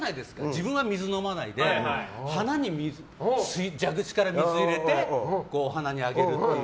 自分は水飲まないで蛇口から水入れてお花にあげるっていう。